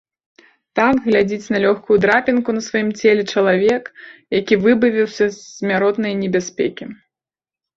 Так глядзіць на лёгкую драпінку на сваім целе чалавек, які выбавіўся з смяротнае небяспекі.